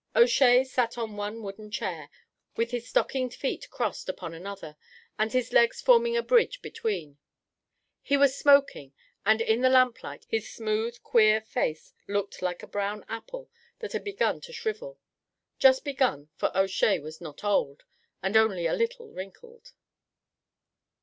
O'Shea sat on one wooden chair, with his stockinged feet crossed upon another, and his legs forming a bridge between. He was smoking, and in the lamplight his smooth, queer face looked like a brown apple that had begun to shrivel just begun, for O'Shea was not old, and only a little wrinkled.